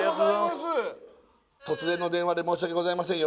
突然の電話で申し訳ございません